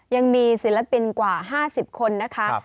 ยังมีศิลปินกว่าห้าสิบคนนะคะครับ